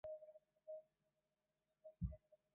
姜国哲朝鲜足球运动员。